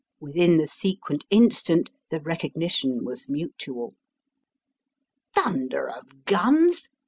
Within the sequent instant the recognition was mutual. "Thunder of guns!"